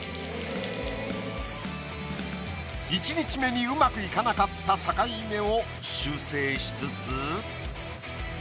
１日目にうまくいかなかった境目を修正しつつ。